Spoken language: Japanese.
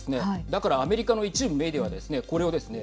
だから、アメリカの一部メディアはですねこれをですね